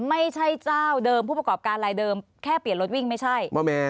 ไม่ใช่เจ้าเดิมผู้ประกอบการรายเดิมแค่เปลี่ยนรถวิ่งไม่ใช่